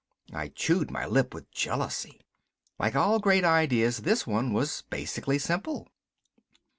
I chewed my lip with jealousy. Like all great ideas, this one was basically simple.